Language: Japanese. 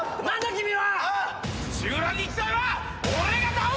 君は。